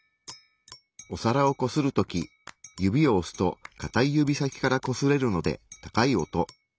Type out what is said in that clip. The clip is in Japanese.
お皿をこするとき指を押すとかたい指先からこすれるので高い音。